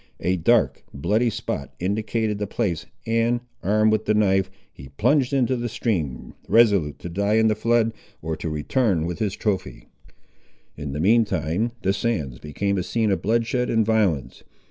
A dark, bloody spot indicated the place, and, armed with the knife, he plunged into the stream, resolute to die in the flood, or to return with his trophy. In the mean time, the sands became a scene of bloodshed and violence.